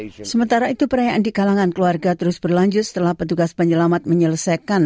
sementara itu perayaan di kalangan keluarga terus berlanjut setelah petugas penyelamat menyelesaikan